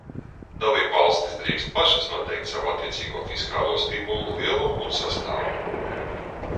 Dalībvalstis drīkst pašas noteikt savu attiecīgo fiskālo stimulu lielumu un sastāvu.